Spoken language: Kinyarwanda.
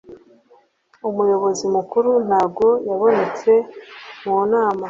umuyobozi mukuru ntago yabonetse mu nama